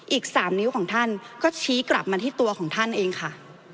อีก๓นิ้วของท่านก็ชี้กลับมาที่ตัวของท่านเองค่ะ